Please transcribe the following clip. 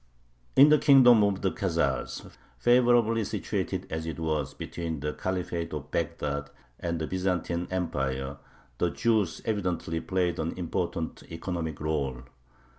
In the kingdom of the Khazars, favorably situated as it was between the Caliphate of Bagdad and the Byzantine Empire, the Jews evidently played an important economic rôle.